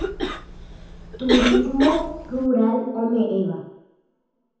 Turismo rural ome'ẽva.